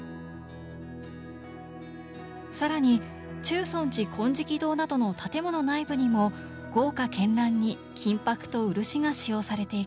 更に中尊寺金色堂などの建物内部にも豪華絢爛に金箔と漆が使用されていきます。